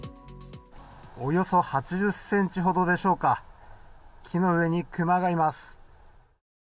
およそ８０ｃｍほどでしょうか木の上に熊がいます。